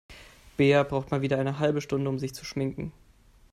Bea braucht mal wieder eine halbe Stunde, um sich zu schminken.